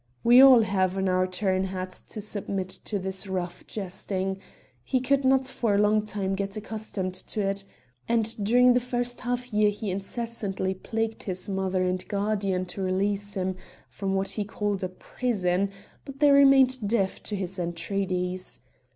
We have all in our turn had to submit to this rough jesting. He could not for a long time get accustomed to it, and during the first half year he incessantly plagued his mother and guardian to release him from what he called a prison; but they remained deaf to his entreaties.